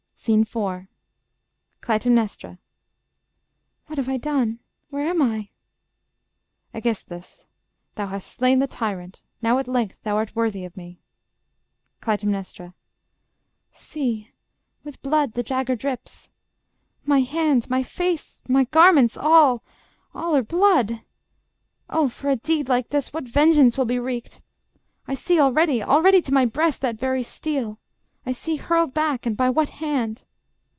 SCENE IV CLYTEMNESTRA AESGISTHUS Cly. What have I done? Where am I?... Aegis. Thou hast slain the tyrant: now At length thou'rt worthy of me. Cly. See, with blood The dagger drips;... my hands, my face, my garments, All, all are blood... Oh, for a deed like this, What vengeance will be wreaked!... I see already Already to my breast that very steel I see hurled back, and by what hand!